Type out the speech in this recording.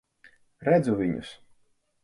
Redzu viņus.